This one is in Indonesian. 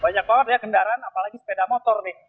banyak banget ya kendaraan apalagi sepeda motor nih